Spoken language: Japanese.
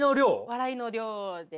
笑いの量で。